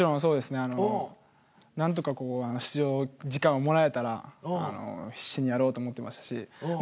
あの何とかこう出場時間をもらえたら必死にやろうと思ってましたしまあ